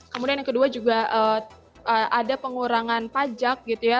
kemudian yang kedua juga ada pengurangan pajak gitu ya